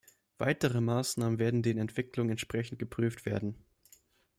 Weitere Maßnahmen werden den Entwicklungen entsprechend geprüft werden.